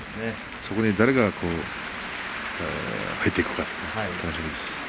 そこに誰が入っていくか楽しみです。